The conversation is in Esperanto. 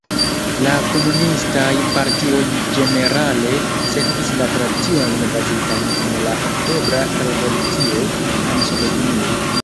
La komunistaj partioj ĝenerale sekvis la tradiciojn bazitajn en la Oktobra Revolucio en Sovetunio.